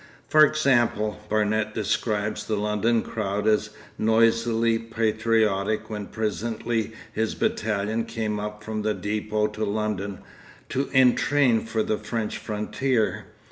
For example, Barnet describes the London crowd as noisily patriotic when presently his battalion came up from the depôt to London, to entrain for the French frontier.